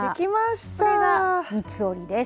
これが三つ折りです。